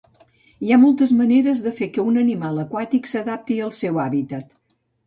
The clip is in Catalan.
Hi ha moltes maneres de fer que un animal aquàtic s'adapti al seu hàbitat.